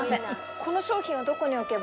この商品はどこに置けば？